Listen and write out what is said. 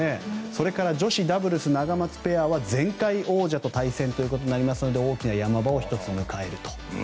それから女子ダブルスナガマツペアは前回王者と対戦ということになりますので大きな山場を１つ迎えると。